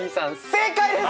正解です！